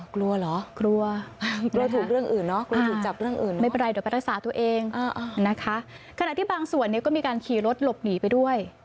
กลัวเหรอกลัวถูกเรื่องอื่นเนอะโดยก็ไปรักษาตัวเองนะคะขณะที่บางส่วนก็มีการขี่รถหลบหนีไปด้วย